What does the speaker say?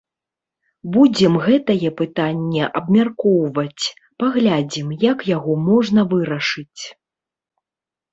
Будзем гэтае пытанне абмяркоўваць, паглядзім, як яго можна вырашыць.